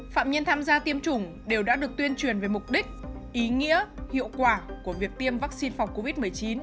phạm nhân tham gia tiêm chủng đều đã được tuyên truyền về mục đích ý nghĩa hiệu quả của việc tiêm vaccine phòng covid một mươi chín